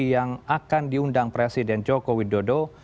yang akan diundang presiden joko widodo